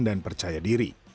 dan percaya diri